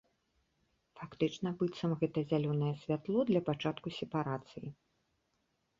Фактычна быццам гэта зялёнае святло для пачатку сепарацыі.